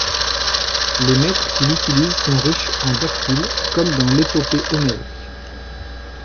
Les mètres qu'il utilise sont riches en dactyles, comme dans l'épopée homérique.